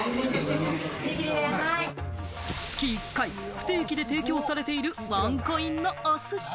月１回、不定期で提供されているワンコインのお寿司。